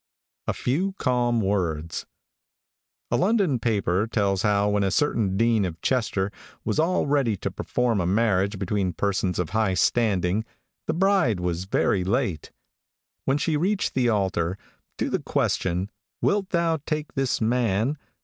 A FEW CALM WORDS. |A LONDON paper tells how when a certain Dean of Chester was all ready to perform a marriage between persons of high standing, the bride was very late. When she reached the altar, to the question, "Wilt thou take this man?"